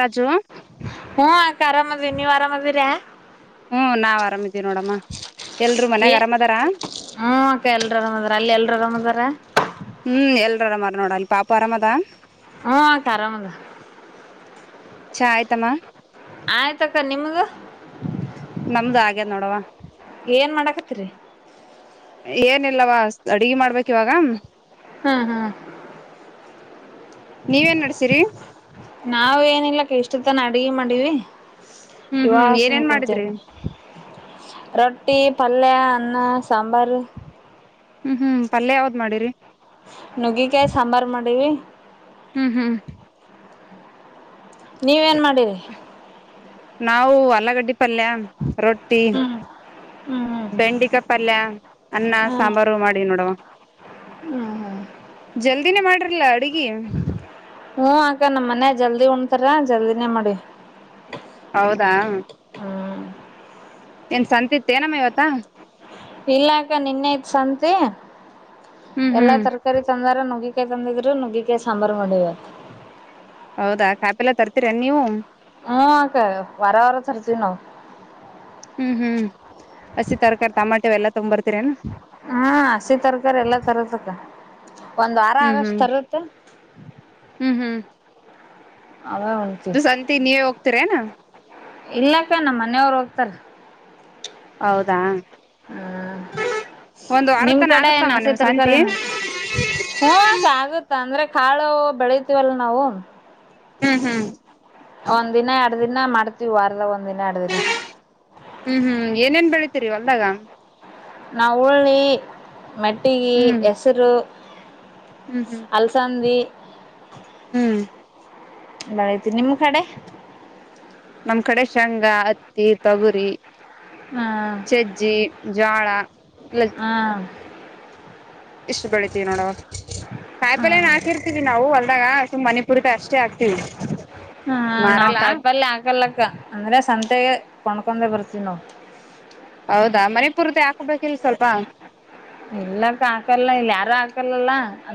ರಾಜು ಹ್ಮ ಕಾರರಾಮ ನೀವಾರಾಮ ರ ಹ್ಮ್ ನಾವ್ ಆರಾಮಿದೀವಿ ನೋಡಮ್ಮ ಎಲ್ರು ಮನ್ಯಾಗ ಆರಾಮದಾರ ನ ಅಕ ಎಲ್ರ ಆರಾಮ ಅದಾರ ಅಲ್ಲಿ ಎಲ್ರು ಆರಾಮ ಅದಾರ ಹ್ಮ್ ಎಲ್ರ ಅರಾಮಾರ ನೋಡಲ್ಲಿ ಪಾಪ ಅರಾಮದ ಹ್ಮ ತರಾಮಂಗ ಚ ಆಯತಮ್ಮಾ ಆಯ್ತ ಅಕ್ಕ ನಿಮ್ಗ ನಮ್ದು ಹಾಗದೆ ನೋಡವ ಏನ್ ಮಾಡಾಕತ್ರಿ ಏನಿಲ್ಲವಾ ಅಡಗೆ ಮಾಡ್ಬೇಕಕ್ ಇವಾಗ ಹ್ಮ್ ಹ್ಮ್ ನೀವೇನ್ ನಡ್ಸಿರಿ ನಾವ ಏನಿಲ್ಲಕ್ಕೆ ಇಷ್ಟು ತನ ಅಡಗೆ ಮಾಡಿವವಿ ಹ್ಮ್ ಇವಗ ಹ್ಮ್ ಸುಮ್ಮನೆ ಏನೇನ್ ಮಾಡಿದ್ರಿ ಕುಂತನ ರೊಟ್ಟಿ ಪಲ್ೆ ಅನ್ನ ಸಾಂಬಾರ ಹ್ಮ್ ಹ್ಮ್ ಪಲ್ೆ ಯಾವ್ದ್ ಮಾಡಿರಿ ನುಗ್ಗಿಕಾಯಿ ಸಾಂಬಾರು ಮಾಡೀಿವ ಹ್ಮ್ ಹ್ಮ್ ನೀವ ೇನ್ ಮಾಡಿರಿ ನಾವು ಅಲಗಡ್ಡಿ ಪಲ್ಯ ರೊಟ್ಟಿ ಹ್ಮ್ ಹಟ್ಟಿ ಹ್ಮ್ ಹ್ಮ್ ಬೆಂಡಿಕಾ ಪಲ್ಯ ಅನ್ನ ಹ್ಮ್ ಸಾಂಬಾರು ಮಾಡಿದ ನೋಡುವ ಹ್ಮ್ ಹ್ಮ ಜಲ್ದಿನೇ ಮಾಡ್ರಲ್ಲ ಅಡುಗೆ ಹ್ಮ ಅಕ ನಮ್ಮ್ ಮನ ಜಲ್ದಿ ಉಣ್ತಾರ ಜಲ್ದಿನೇ ಮಾಡಿ ಹೌದಾ ಹಾ ಏನ್ ಸಂತ ಇತ್ತೇ ನಮ್ಮ ಇವತ್ತ ಇಲ್ಲ ಅಕ ನಿನ್ನೆ ತ್ ಸಂತ ಹ್ಮ್ ಎಲ್ಲಾ ಹ್ಮ್ ತರಕಾರಿ ತಂದಾರ ನುಗಿ ತಂದಿದ್ರು ನುಗ್ಗಿಕ ಸಾಂಬಾರ್ು ಮಾಡವ ಹೌದಾ ಕಾಪಿಲ್ಲ ತರ್ತೀರ ನೀವು ಹ್ಮ ಆಕ್ಕ ವರ ವರ ಚರ್ಚನೋ ಹ್ಮ್ ಹ್ಮ್ ಹಸಿ ತರಕಾರಿ ಟಮಾಟೋ ಎಲ್ಲ ತಂಬ ಬರ್ತೀರೇನಾ ಹ್ಮ್ ಹಸಿ ತರಕಾರಿ ಎಲ್ಲ ತರತ್ತಕ್ಕ ಒಂದ್ ವಾರ ಹ್ಮ್ ಆಗಷ್ಟ್ ಹ್ಮ್ ತರತ್ತ ಇಲ್ಲ ಹ್ಮ್ ಹ್ಮ್ ಅವೇ ಉಂತಿ ಇದು ಸಂತಿ ನೀವೇ ಹೋಗ್ತೀರೇನ ಇಲ್ಲಕ್ಕ ನಮ್ಮ ಮನೆಯವರು ಹೋಗ್ತಾರ ಹೌದಾ ಹ್ಮ್ ಒಂದ್ ವಾರ ನಿಮ್ ತನ ಕಡೆನ ಎನ್ ಆಗತ್ತಮ್ಮ ಹಸಿ ನಿಮ್ ತರಕ ಸಂತಿ ನ ಹೂ ಅಕ್ಕ ಆಗುತ್ತ ಅಂದ್ರೆ ಕಾಳು ಬೆಳಿತೀವಲ್ಲ ನಾವು ಹ್ಮ್ ಹ್ಮ್ ವಾರದ ಒಂದು ಹ್ಮ್ ಹ್ಮ್ ಏನೇನ್ ಬೆಳಿತೀರಿ ಹೊಲ್ದಾಗ ನಾ ಹುಳ್ಳಿ ಮೆಟ್ಟಿಗಿ ಹ್ಮ್ ಹೆಸರು ಹ್ಮ್ ಹ್ಮ್ ಅಲ್ಸಂದಿ ಹ್ಮ್ ಎಲ್ಲ ಐತಿ ನಿಮ್ ಕಡೆ ನಮ್ ಕಡೆ ಶೇಂಗಾ ಹತ್ತಿ ತೊಗುರಿ ಹ್ಮ್ ಚಜ್ಜಿ ಜ್ವಾಳ ಹ ಇಷ್ಟು ಬೆಳಿತಿವಿ ನೋಡುವ ಕಾಯಿಪಲನ್ ಹ್ಮ್ ಹಾಕಿರ್ತೀವಿ ನಾವು ಹೊಲ್ದಾಗ ಸುಮ್ ಮನಿಪುರಿತ ಅಷ್ಟ ಹಾ ನಾವ ಕಾಯಿಪಲ್ ಹಾಕಲಕ್ಕ ಅಂದ್ರೆ ಸಂತೆಗೆ ಕೊಂಡ್ಕೊಂಡೇ ಬರ್ತೀವಿ ನಾವು ಹೌದಾ ಮನಿಪುರ್ದ ಹಾಕ್ಬೇಕಿಲ್ ಸ್ವಲ್ಪ ಇಲ್ಲಕ್ಕ ಹಾಕಲ್ಲ ಇಲ್ಲ ಯಾರು ಹಾಕಲ್ಲಲ್ಲ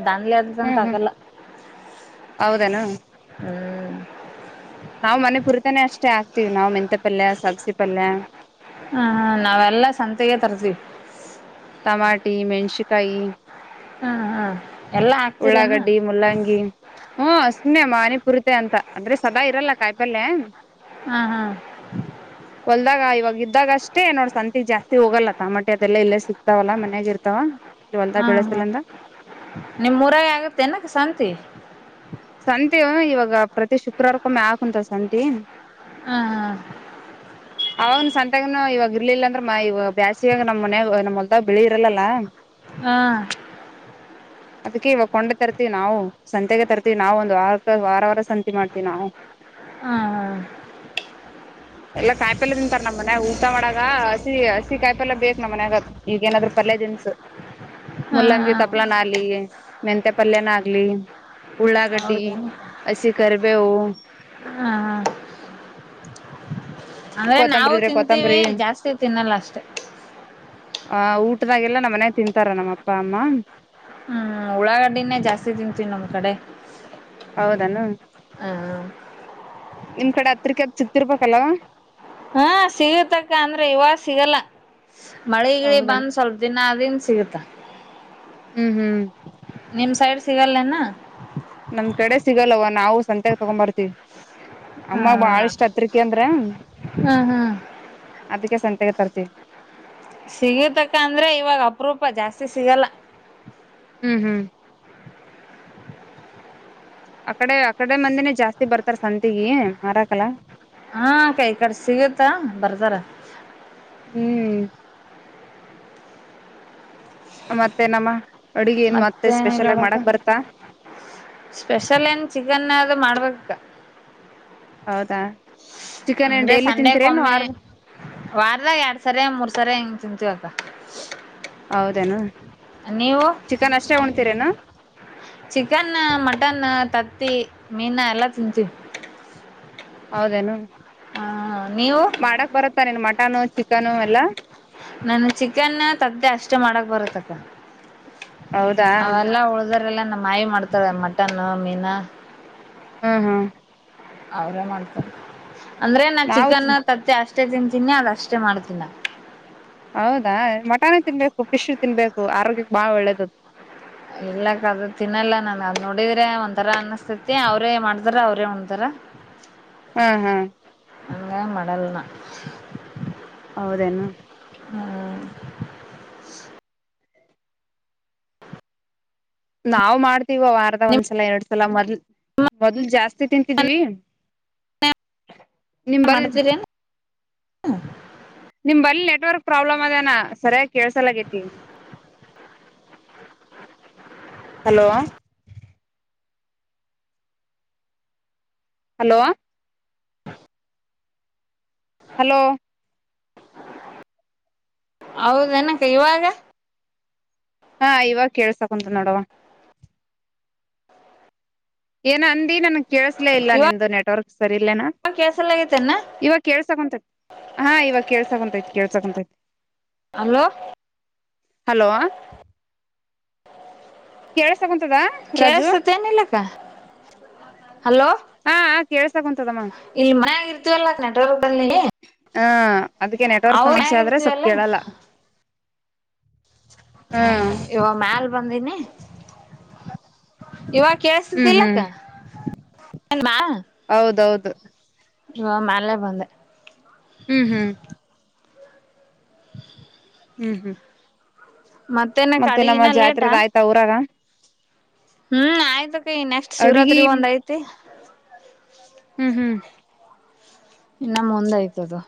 ದನ್ಲಿ ಅಗಾದಕ್ಕಂತ ಹಾಕಲ್ಲ ಹೌದೆನ ಹ್ಮ್ ನಾವ್ ಮನೆ ಪುರ್ತಿನೆ ಅಷ್ಟೇ ಅಷ್ಟೆ ಆಗ್ತೀವಿ ನಾವು ಮೆಂತ ಪಲ್ಯ ಸಬ್ಸಿ ಪಲ್ಯ ಸರ್ಜಿ ಟಮಟಿ ಮೆಣ್ಸಿಕಾಯಿ ಹ್ಮ್ ಹ್ಮ್ ಎಲ್ಲಾ ಹ ಉಳ್ಳಾಗಡ್ಡಿ ಮುಲ್ಲಂಗಿ ಹಾ ಸುಮ್ಮನೆ ಮ್ಮನೆ ಪುರಿತೆ ಅಂತ ಅಂದ್ರೆ ಸದಾ ಇರಲ್ಲ ಕಾಯಿಪಲ್ಯ ಹ್ಮ ಹ ಹ ಹೊಲ್ದಾಗ ಇವಾಗ ಉದ್ದಾಗ ಅಷ್ಟೇ ನೋಡ್ ಸಂತಿ ಜಾಸ್ತಿ ಹೋಗಲ್ಲ ತಮಟಿ ಅದೆಲ್ಲ ಇಲ್ಲೇ ಸಿಕ್ತಾವಲ್ಲಾ ಮನ್ಯಾಗೆ ಇರ್ತಾವ ಇಲ್ಲಿ ಹೊಲ್ದಾಗ ಹಾ ಹಾ ಬೆಳೆಸಲಂದ ನಿಮ್ ಊರಾಗ ಆಗುತ್ತೆನ ಸಂತಿ ಸಂತೆವು ಇವಾಗ ಪ್ರ ತ್ರಿ ಶುಕ್ರವಾರಕ್ಕು ಒಮ್ಮ ಆಕೋತರೆ ಸಂತಿ ಹ್ಮ್ ಹ್ಮ್ ಅವನು ಸಂತಗನು ಇವಾಗ ಇರ್ಲಿಲ್ಲ ಅಂದ್ರ ಮಾ ಇವ ಬ್ಯಾಸಗಾಗ ನಮ್ಮ್ ಮನೆ ನಮ್ಮ್ ಹೊಲ್ದ ಬಳಿ ಇರಲ್ಲಲ್ಲ ಹ ಅದಕ್ಕೆ ಇವಾಗ ಕೊಂಡು ತರ್ತಿವಿ ನಾವು ಸಂತೆಗೆ ತರ್ತಿ ವಿ ನಾವು ಒಂದು ವ ವಾರ ವಾರ ಸಂತಿ ಮಾಡ್ತೀವಿ ನಾವು ಹ ಹ ಎಲ್ಲ ಕಾಯಿಪಲ್ ತಿಂತಾರೆ ನಮ್ಮ ಮನೆ ಊಟ ಮಾಡಾಗ ಹಸಿ ಹಸಿ ಕಾಯಿಪಲ್ಲ ಬೇಕ್ ನಮ್ಮ ಮನ್ಯಾಗ ಈಗ ಏನಾದ್ ಪಲ್ಯ ಹ್ಮ್ ಮುಲ್ಲಂಗಿ ಹ್ಮ್ ತಪಲ ನ ಆಲಿ ಮೆಂತ ಪಲ್ಯನಾಗಲಿ ಉಳ್ಳಾಗಡ್ಡಿ ಹೌದೇನ ಹಸಿ ಕರಿಬೇವು ಹ್ಮ್ ಹ್ಮ್ ಅಂವೆ ಕೊತ್ತಂಬರಿ ನಾವು ಇದ್ರೆ ತಿಂತೀವಿ ಕೊತ್ತಂಬರಿ ಜಾಸ್ತಿ ತಿನ್ನಲ್ಲ ಅಷ್ಟೆ ಆ ಊಟದಾಗೆಲ್ಲ ನಮ್ಮ ಮನೆ ತಿಂತಾರ ನಮ್ಮ ಅಪ್ಪ ಅಮ್ಮ ಆ ಉಳ್ಳಾಗಡ್ಡಿನೇ ಜಾಸ್ತಿ ತಿಂತೀವಿ ನಮ್ಮ ಕಡೆ ಹೌದೆನು ಹ ನಿಮ್ ಕಡೆ ಹತ್ರಿಕೆ ಸಿಕ್ತಿರ್ಬೇಕಲ್ಲವಾ ಹಾ ಸಿಗುತಕ್ಕ ಅಂದ್ರೆ ಇವಾಗ ಸಿಗಲ್ಲ ಮಳೆಗಿಳಿ ಹೌದನ್ ಬಂದ್ ಸ್ವಲ್ಪ ದಿನ ಅದಿಂದ ಸಿಗುತ್ತ ಹ್ಮ್ ಹ್ಮ್ ನಿಮ್ಮ ಸೈಡ್ ಸಿಗಲ್ಲೆನಾ ನಮ್ ಕಡೆ ಸಿಗಲ್ವ ನಾವು ಸಂತೆಲಿ ತಗೊಂಬರ್ತೀವಿ ಹಾ ಅಮ್ಮ ಬಾಳಷ್ಟ್ ಹತ್ರಿಕೆ ಅಂದ್ರೆ ಹ್ಮ್ ಹ್ಮ್ ಅದಕ್ಕೆ ಸಂ ತಿಗೆ ತರ್ತಿವಿ ಸಿಗತಕ್ಕ ಅಂದ್ರೆ ಇವಾಗ ಅಪರೂಪ ಜಾಸ್ತಿ ಸಿಗಲ್ಲ ಹ್ಮ್ ಹ್ಮ್ ಅಕಡೆ ಆಕಡೆ ಮಂದಿನೇ ಜಾಸ್ತಿ ಬರ್ತಾರ ಸಂತಗಿ ಮರಾಕಲ್ಲ ಹಾ ಅಕ್ಕ ಇ ಕಡೆ ಸಿಗುತ್ತ ಬರ್ತಾರೆ ಹ್ಮ್ ಮತ್ತೆ ಏನಮ್ಮ ಮತ್ತ ಏನಿಲ್ಲ ಬೀಡಕ್ಕ ಸ್ಪೆಷಲ್ ಏನ್ ಚಿಕನ್ ಅಂದ್ರು ಮಾಡ್ಬೇಕು ಕತ್ತ [inaudible] ಹೌದಾ ಚಿಕನ್ ಏನ್ ಅಂದ್ರೆ ಡೈಲಿ ಸಂಡೆಕ್ಕ ತಿಂತೀರೇನು ಒಮ್ಮೆ ವಾರ ವಾರದಾಗ ಎರಡ್ ಸರ ಮೂರ್ ಸರ ಹೆಂಗ ಅಂತ [inaudible] ಹೌದೇನು ಚಿಕನ್ ಅಷ್ಟೇ ಉಣ್ತೀರೇನು ಚಿಕನ್ ಮಟನ್ ತತ್ತಿ ಮೀನು ಎಲ್ಲಾ ತಿಂತೀವಿ ಹೌದೇನು ಹಾ ನೀವು [unintelligible] ಮಟಾನ ನನ್ನ ಚಿಕನ್ ತದ್ದೆ ಅಷ್ಟೇ ಮಾಡಕ್ ಬರುತ್ತಕ್ಕ ಹೌದಾ ಅವೆಲ್ಲ ಉಳ್ದರೆಲ್ಲ ನಮ್ಮ ಮಾವಿ ಮಾಡ್ತಾರೆ ಮಟನ್ ಮೀನು ಹ್ಮ ಹಾ ಅವ್ರೇ ಮಾಡ್ತಾರೆ ಅಂದ್ರೆ ನಾ ನಾವು ಚಿಕನ್ ತಿನ್ ತತ್ತೆ ಅಷ್ಟ ಅಷ್ಟೆ ತಿಂತೀನಿ ಅಲ್ಲ ಅಷ್ಟೇ ಮಾಡ್ತೀನ ಹೌದಾ ಮಟನ ತಿನ್ಬೇಕು ಫಿಶ್ ತಿನ್ಬೇಕು ಆರೋಗ್ಯಕ್ ಬಾಳ್ ಒಳ್ಳೇದದು ಇಲ್ಲ ಕದು ತಿನ್ನಲ್ಲ ನನ್ ಅದ್ ನೋಡಿದ್ರೆ ಒಂಥರ ಅನ್ನಸ್ತೇತಿ ಅವ್ರೇ ಮಾಡ್ತಾರ ಅವ್ರೇ ಹೊತಾರ ಹ ಹ್ಮ್ ಹ್ಮ್ ಹಂಗ ಮಡಲ್ನಾ ಹೌದೇನು ಹ್ಮ ನಾ ಮಾಡ್ತೀವ ವಾರದ ನಿಮ್ ಒಂದ್ಸಲ ಎರಡ್ ಸಲ ಮೊದ್ ಮೊದ್ಲ್ ಜಾಸ್ತಿ ತಿಂತಿದ್ವಿ ನಿಂಬಲ್ ಹ ನಿಮ್ ಬಲ್ಲಿ ನೆಟ್ವರ್ಕ್ ಪ್ರಾಬ್ಲಮ್ ಅದೇನಾ ಸರಿಯಾಗಿ ಕೇಳ್ಸಲಗೇತಿ ಹಲೋ ಹಲೋ ಹಲೋ ಹೌದ ನಕ್ಕ ಇವಾಗ ಹಾ ಇವಾಗ ಕೇಳ್ಸಕಂತ ನೋಡುವ ಏನ ಅಂದಿ ನನ್ಗ್ ಕೇಳಸ್ಲೇ ಇಲ್ಲ ಇವಾಗ ನಿಮ್ದು ನೆಟ್ವರ್ಕ್ ಸರಿ ಇಲ್ಲೇನಾ ಕೇಳಸಲಾಗೈತೆನ ಇವ ಕೇಳ್ಸಕೊಂತತಿ ಹಾ ಇವಾಗ ಕೇಳ್ಸಕಂತೈತ್ ಕೇಳ್ಸಕೊಂತೈ ಹಲೋ ಕೇಳಳ್ಸಕ [unintelligible] ಕೇಳಸತ ಏನ ಇಲ್ಲಕ್ಕ ಹಲೋ ಹಾ ಕೇಳ್ಸಕುಂತದಮ್ಮ ಇಲ್ ಮನ ಆಗರ್ತವಿಲ್ಲ ನೆಟ್ವರ್ಕ್ಲ್ಲಿ ಹಾ ಅದಕ್ಕೆ ನೆಟ್ವರ್ಕ್ ಅವ ಸಮಸ್ಯೆ ಮನ್ಯಾಗ ಆದ್ರೆ ಸ್ಲ್ಪ್ ಇರ್ತೀವಲ್ಲ ಕೇಳಲ್ಲ ಹ ಹ್ಮ್ ಇವ ಮ್ಯಲ್ ಬಂದೀನಿ ಇವ ಹ್ಮ್ ಹ್ಮ್ ಕಳ್ಸತಿಲಕ್ಕ ನ್ಮ್ಮ ಹೌದೌದು ಹ ಮ್ಯಾಲೆ ಬಂದೆ ಹ್ಮ್ ಹ್ಮ್ [unintelligible] [inaudible] ಹ್ಮ್ ಹ್ಮ್ ಮತ್ತೇನಕ್ಕ ಮತ್ತೆ ನಮ್ಮ ಅಡಿಗಿನ ಲೇಟಾ ಜಾತ್ರೆದ ಆಯ್ತಾ ಊರಗ ಹ್ಮ್ ಆಯ್ತಕ ನೆಕ್ಸ್ಟ್ ಅಡ್ಗಿ ಶಿವರಾತ್ರಿ ಒಂದ್ ಐತಿ ಹ್ಮ್ ಹ್ಮ್ ಇನ್ನ ಮುಂದ ಆಯ್ತದು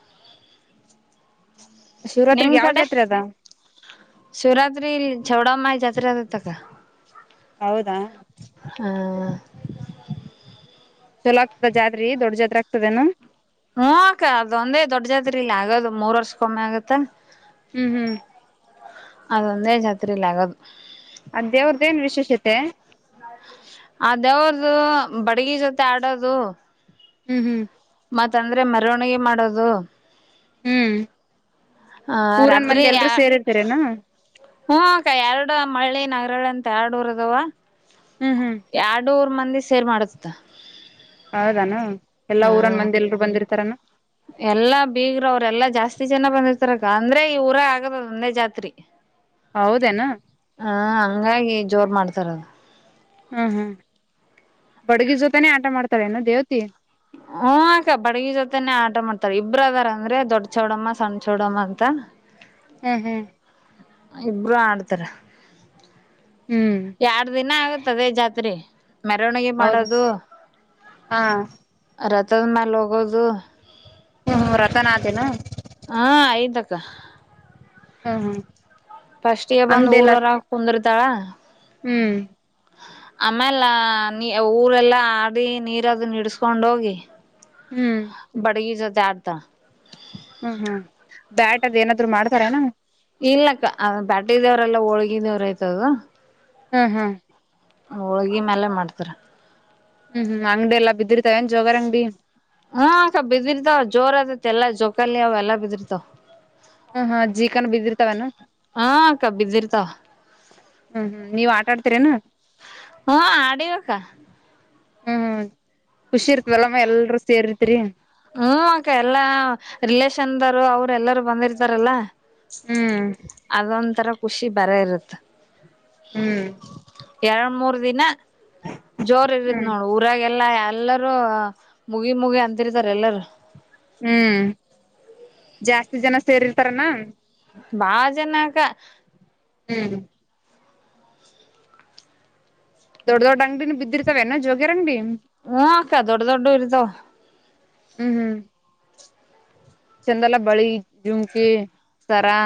ನಿಮ ಶಿವರಾತ್ರಿಗ್ ಯಾವ ಕಡೆ ಜಾತ್ರೆ ಅದ ಶಿವರತ್ರಿ ಶೇವಡೋ ಮಾಹಿ ಜತ್ರ ಹೌದಾ ಹ ಚಲೋ ಆಗ್ತದ ಜಾತ್ರಿ ದೊಡ್ ಜಾತ್ರಿ ಆಗ್ತದೇನು. ಹು ಅಕ್ಕ ಅದೊಂದೇ ದೊಡ್ಡಜತ್ರಿ ಇಲ್ಲ ಆಗದು ಮೂರ್ ವರ್ಷಕ್ಕೊಮ್ಮೆ ಆಗತ್ತ ಹ್ಮ್ ಹ್ಮ್ ಅದೊಂದೇ ಜಾತ್ರಿ ಇಲಿ ಆಗೋದು ಅದೇವ್ರದ್ದೇನ್ ವಿಶೇಷತೆ ಅದ ಯಾವ್ದು ಬಡಗಿ ಜೊತೆ ಆಡೋದು ಹ್ಮ್ ಹ್ಮ್ ಮತ್ತಂದ್ರೆ ಮೆರವಣಿಗೆ ಮಾಡೋದು ಹ್ಮ್ ಹ ಊರನ್ ರಾತ್ರಿ ಮಂದಿ ಎಲ್ರೂ ಸೇರಿರ್ತರೇನು ಹ್ಮ ಎರಡ ಮಳ್ಳಿ ನಗರಗಳಂತ ಎರಡು ಉರ ಅದವ ಹ್ಮ್ ಹ್ಮ್ ಎರಡುರ್ ಮಂದಿ ಸೇರಿ ಮಾಡಸತ್ತ ಹೌದಾನ ಎಲ್ಲಾ ಹಾ ಊರನ್ ಮಂದಿ ಎಲ್ರು ಬಂದಿರ್ತಾರನ ಎಲ್ಲಾ ಬೀಗರು ಅವ್ರ ಎಲ್ಲಾ ಜಾಸ್ತಿ ಜನ ಬಂದಿರ್ತಾರಕ್ಕ ಅಂದ್ರೆ ಈ ಊರ ಆಗೋದ ಒಂದೇ ಜಾತ್ರಿ. ಹೌದೇನ ಹಾ ಹಂಗಾಗಿ ಜೋರ್ ಮಾಡ್ತಾರದು ಹ್ಮ್ ಹ್ಮ್ ಬಡ್ಗಿ ಜೊತನೇ ಆಟ ಮಾಡ್ತಾಳೆನು ದೇವತಿ ಹ ಅಕ್ಕ ಬಡಗಿ ಜೊತೆನೆೇ ಆಟ ಮಾಡ್ತಾರ ಇಬ್ರದಾರ ಅಂದ್ರೆ ದೊಡ್ಡ ಚೌಡಮ್ಮ ಸಣ್ಣ ಚೌಡಮ್ಮ ಅಂತ ಹ್ಮ್ ಹ್ಮ್ ಇಬ್ರು ಆಡ್ತಾರ ಹ್ಮ್ ಎರಡ ದಿನ ಆಗತ್ ಜಾತ್ರೆ ಮೆರವಣಿಗೆ ಹೌದಾ ಮಾಡೋದು ಹಾ ರ ಮಾಡ ಹೋಗೋದು ಹ್ಮ್ ಹ್ಮ ರಥಾನದೇನು ಹಾ ಐತಕ್ಕಾ ಹೂ ಹೂ ಫಸ್ಟ್ ಗೆ ಬಂದ್ ಊರರ ಕುಂದರ್ತಾಳ ಹ್ಮ್ ಆಮೇಲೆ ನೀ ಊರೆಲ್ಲಾ ಆಡಿ ನೀರದ ಇಡ್ಸ್ಕೊಂಡ ಹೋಗಿ ಹ್ಮ್ ಬಡಿ ಜೋತೆ ಆಟ ಹ್ಮ್ ಹ್ಮ್ ಬ್ಯಾಟ್ ಅದ್ ಏನಾದ್ರು ಮಾಡ್ತಾರೆನ ಇಲ್ಲಕ್ಕ ಬ್ಯಾಟಿದವರೆಲ್ಲ ಹೋಳ್ಗಿದವ್ರ ಆಯ್ತದ ಹ್ಮ್ ಹ್ಮ್ ಹೋಳ್ಗಿ ಮ್ಯಾಲ ಮಾಡ್ತರ ಹ್ಮ್ ಹ್ಮ್ ಅಂಗಡಿ ಎಲ್ಲಾ ಬಿದ್ದಿರ್ತಾಯನ್ ಜೋಗರ್ ಅಂಗ್ಡಿ. ಹ್ಮ ಅಕ್ಕ ಬಿದಿರ್ತಾವ ಜೋರ್ ಅದತ್ ಎಲ್ಲಾ ಜೋಕಲ್ಲಿ ಅವ ಎಲ್ಲಾ ಬಿದಿರ್ತಾವ. ಹ ಹಾ ಜೀಕನ್ ಬಿದ್ದಿರ್ತವನ್ ಹ್ಮ ಅಕ್ಕ ಬಿದ್ದಿರ್ತಾವ ಹ್ಮ್ ಹ್ಮ್ ನೀವ್ ಆಟಾ ಆಡ್ತಿರೇನು ಹ ಆಡಿವಕ ಹ್ಮ್ ಖುಷಿ ಇರ್ತವಲ್ಲಮ್ಮ ಎಲ್ರು ಸೇರ್ತ್ರಿ ಹ್ಮ ಅಕ್ಕ ಎಲ್ಲಾ ರಿಲೇಶನ್ದರು ಅವರು ಎಲ್ಲಾರೂ ಬಂದಿರ್ತಾರಲ್ಲಾ ಹ್ಮ್ ಅದೊಂಥರ ಖುಷಿ ಬ್ಯಾರೆ ಇರತ್ತ ಹ್ಮ್ ಎರಡ್ ಮೂರ್ ದಿನ ಜೋರ್ ಇರತ್ ಹ್ಮ್ ನೋಡು ಊರಾಗ ಎಲ್ಲ ಎಲ್ಲರೂ ಮುಗಿ ಮುಗಿ ಅಂತಿರ್ತಾರೆ ಎಲ್ಲಾರೂ ಹ್ಮ್ ಜಾಸ್ತಿ ಜನ ಸೇರಿರ್ತಾರನಾ ಬಾ ಜನಕ್ಕಾ ಹ್ಮ ದೊಡ್ಡ ದೊಡ್ಡ ಅಂಗಡಿ ಬಿದ್ದಿರ್ತವೇನ ಜೋಗ್ಯರ್ ಅಂಗಡಿ ಹ್ಮ ಆಕ್ಕ ಅ ದೊಡ್ಡ ದೊಡ್ಡ ಇರತಾವ ಹ್ಮ್ ಹ್ಮ್ ಚಂದಲ್ಲ ಬಳಿ ಜುಮ್ಕಿ ಸರಾ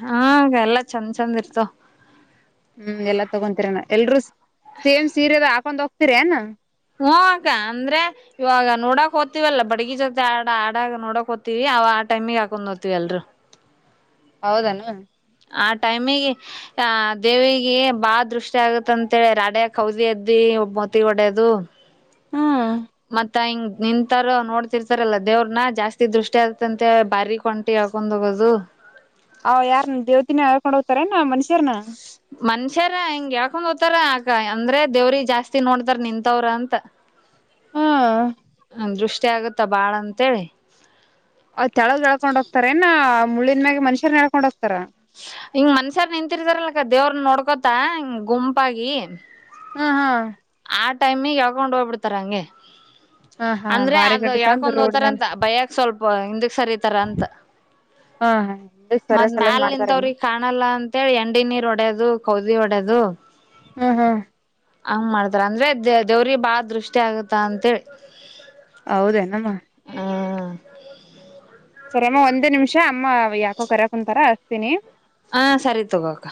ಹಾ ಎಲ್ಲ ಚಂದ ಚಂದ ಇರ್ತವ ಹ್ಮ್ ಎಲ್ಲಾ ತಗೊತೀರನ ಎಲ್ರೂ ಸೇಮ್ ಸೀರೆದ ಹಾಕೊಂಡ್ ಹೋಗ್ತಿರ ಅನ ಹೋಕ ಅಂದ್ರೆ ಇವಾಗ ನೋಡಕ್ ್ತಿೀವಲ್ಲ ಬಡಗಿ ಜೊತೆ ಆಡ ಆಡಾಗ ನೋಡಕ್ ಹ್ತಿೀವಿ ಅವ ಟೈಮಿಗೆ ಹಾಕೊಂಡ್ೋ್ತೀವಿ ಎಲ್ರು ಹೌದನಾ ಆ ಟೈಮಿಗೆ ಆ ದೇವಿಗೆ ಬಾ ದೃಷ್ಟಿ ಆಗತ್ತ ಅಂತೇಳಿ ರಾಡ್ಯಾ ಹೌದಿ ಎದ್ದಿ ನೀ ಒಬ್ ಮತಿ ಒಡೆಯದು ಹ್ಮ್ ಮತ್ತ ಹಿಂಗ್ ನಿಂತಾರ ನೋಡ್ತಿರ್ತಾರಲ್ಲ ದೇವ್ರನ ಜಾಸ್ತಿ ದೃಷ್ಟಿ ಆಗತ್ತಂತೆ ಬಾರಿ ಕೊಂಟಿ ಕೊಂಡೋಗದು ಅವ್ ಯಾರ ದೇವತಿನ ಹಳ್ಕೊಂಡ್ ಹೋಗ್ತಾರ ನ ಮನುಷ್ಯರನ ಮನ್ಷ್ಯರ ಹಿಂಗ ಹೇಳ್ಕೊಂಡ್ ಹೋಗತಾರ ಆಕ ಅಂದ್ರೆ ದೇವ್ರಿ ಜಾಸ್ತಿ ನೋಡ್ತಾರ ನಿಂತವ್ರ ಅಂತ ಹ್ಮ ದೃಷ್ಟಿ ಆಗತ್ತ ಬಾಳ ಅಂತೇಳಿ ಅವ್ ತೆಳಗ ಎಳ್ಕೊಂಡ್ೋಗತಾರ ಏನ ಮುಳ್ಳಿನ ಮ್ಯೆ ಮನುಷರನ ಎಳ್ಕೊಂಡ್ ಹೋಗ್ತಾರ ಹಂಗ ಮನ್ಷ್ಯಾರ್ ನಿಂತಿರ್ತಾರಲ್ಲಕ ದೇವ್ರ ನೋಡ್ಕೋತ ಹಂಗ ಗುಂಪಾಗಿ ಹಾ ಹಾ ಆ ೈಮ ಯಕೌೊಂಡ ೋಗ ಬಿಡ್ತಾರಾಂ ಹಾ ಹಾ ಅಂದ್ರೆ ಬಾರಿ ಅದು ಗಡ್ಡಿ ತಂದು ಯಾಕೊಂದು ರೋಡ್ ಮೇಲೆ ಹೋ್ತಾರಂತ ಭಯಕ್ ಸ್ವಲ್ಪ ಹಿಂದಕ್ ಸರಿತಾರ ಅಂತ ಹಾ ಹ ಸರಸ ಎಲನ್ ಮಾಡ್ತಾರ ಅವ್ರಿಗೆ ಕಾಣಲ್ಲ ಅಂತೇಳಿ ಎಂಡೆ ನೀರ್ ಒಡ್ಯೋದು ಕೌದಿ ಹೊಡ್ಯದು ಹ್ಮ್ ಹ್ಮ್ ಹಂಗ್ ಮಾಡ್ತಾರ ಅಂದ್ರೆ ದ ದೇವ್ರಿಗೆ ಬಾಳ ದೃಷ್ಟಿ ಆಗತ್ತ ಅಂತೇಳಿ ಹೌದೇ ನಮ್ಮ [inaudible] ಸರ್ಮ್ಮ ಒಂದೇ ನಿಮಿಷ ಅಮ್ಮ ಯಾಕೋ ಕರಕ ಕುಂತಾರ ಅಸ್ತೀನಿ ಹಾ ಸರಿ ತಗೋಕ